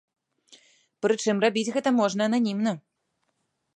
Прычым рабіць гэта можна ананімна.